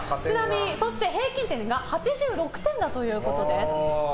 そして平均点が８６点だということです。